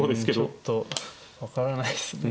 ちょっと分からないですね。